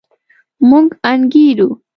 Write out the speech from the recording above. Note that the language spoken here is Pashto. موږ انګېرو.